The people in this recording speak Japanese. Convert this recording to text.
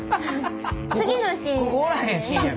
次のシーン。